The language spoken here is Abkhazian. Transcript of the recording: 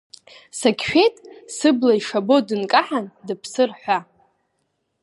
Сагьшәеит, сыбла ишабо дынкаҳан дыԥсыр ҳәа.